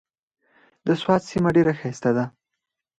د سوات سيمه ډېره ښايسته ده۔